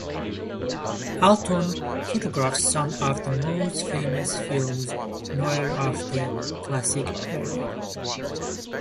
Alton photographed some of the most famous films noir of the classic period.